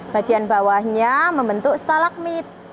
bagian bawahnya membentuk stalagmit